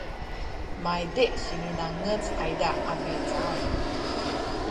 maydih sinilangec ayza a mihcaan